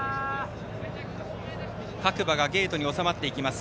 各馬がゲートに収まっていきます。